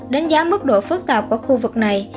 đánh giá mức độ phức tạp của khu vực này